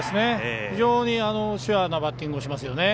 非常にシュアなバッティングをします。